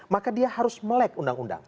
maka dia harus melek undang undang